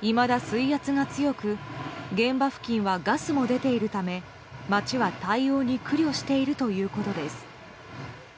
いまだ水圧が強く現場付近はガスも出ているため町は対応に苦慮しているということです。